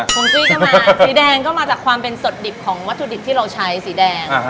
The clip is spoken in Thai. งกุ้ยก็มาสีแดงก็มาจากความเป็นสดดิบของวัตถุดิบที่เราใช้สีแดง